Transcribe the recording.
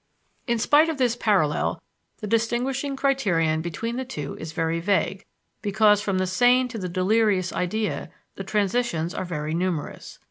In spite of this parallel the distinguishing criterion between the two is very vague, because from the sane to the delirious idea the transitions are very numerous.